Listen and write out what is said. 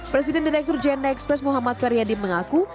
presiden direktur jna express muhammad faryadim mengaku